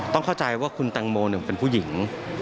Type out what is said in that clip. ต้องเข้าใจว่าคุณแตงโมเป็นผู้หญิง